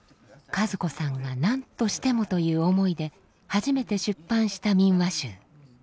和子さんが「何としても」という思いで初めて出版した民話集。